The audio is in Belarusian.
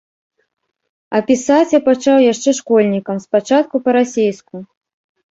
А пісаць я пачаў яшчэ школьнікам, спачатку па-расейску.